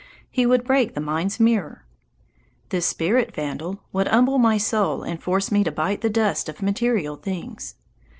He would break the mind's mirror. This spirit vandal would humble my soul and force me to bite the dust of material things.